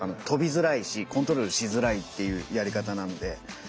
跳びづらいしコントロールしづらいっていうやり方なので。